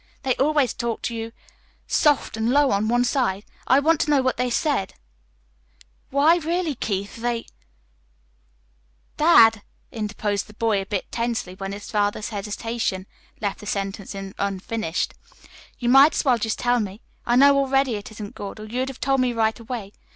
They always talked to you soft and low on one side. I want to know what they said then." "Why, really, Keith, they " "Dad," interposed the boy a bit tensely, when his father's hesitation left the sentence unfinished, "you might just as well tell me. I know already it isn't good, or you'd have told me right away.